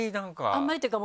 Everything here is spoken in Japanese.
「あんまり」というか。